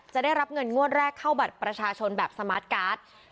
ได้รับเงินงวดแรกเข้าบัตรประชาชนแบบสมาร์ทการ์ด